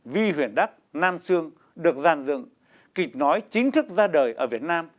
vi huỳnh đắc nam sương được giàn dựng kịch nói chính thức ra đời ở việt nam